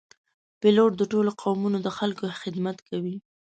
پیلوټ د ټولو قومونو د خلکو خدمت کوي.